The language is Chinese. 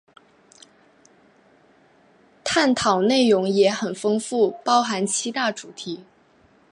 探讨内容也很丰富，包含七大主题